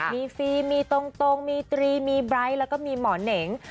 มีฟรีมีตรงมีตรีมีไบร์ทแล้วก็มีหมอเหน่ง